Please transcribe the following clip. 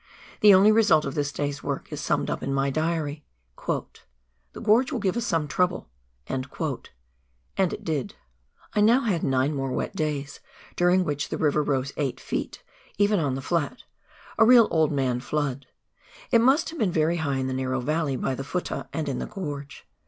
The only result of this day's work is summed up in my diary, " The gorge will give us some trouble "— and it did. I now had nine more wet days, during which the river rose 8 ft., even on the flat — a real "old man" flood; it must have been very high in the narrow valley by the " futtah " and in the gorge.